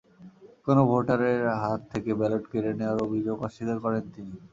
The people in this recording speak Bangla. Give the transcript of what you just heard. কোনো ভোটারের হাত থেকে ব্যালট কেড়ে নেওয়ার অভিযোগ অস্বীকার করেন তিনি।